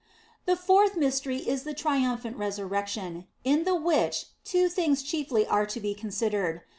" The fourth mystery is in the triumphant Resurrection, in the which two things chiefly are to be considered.